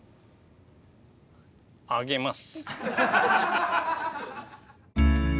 あげます。